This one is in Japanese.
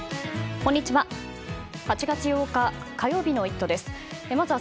こんにちは。